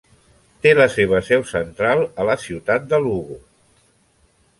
Té la seva seu central a la ciutat de Lugo.